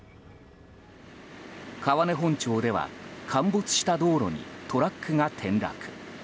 川根本町では陥没した道路にトラックが転落。